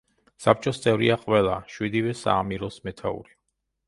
საბჭოს წევრია ყველა, შვიდივე საამიროს მეთაური.